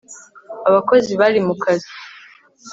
Abakozi bari mu kazi